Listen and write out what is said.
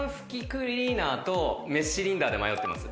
クリーナーとメスシリンダーで迷ってます。